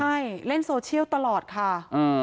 ใช่เล่นโซเชียลตลอดค่ะ